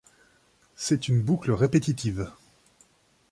C’est une boucle répétitive.